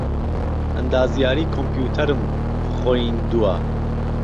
ئەندازیاریی کۆمپیوتەرم خۆیندووە